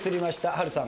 波瑠さん。